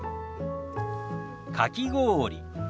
かき氷。